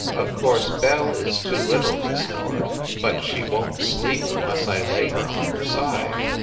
Of course, Belle is too little to snore, but she won t sleep unless I lay her on her side."